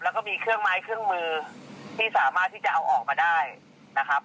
แล้วก็มีเครื่องไม้เครื่องมือที่สามารถที่จะเอาออกมาได้นะครับ